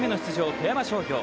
富山商業。